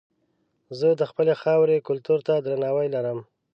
زه د خپلې خاورې کلتور ته درناوی لرم.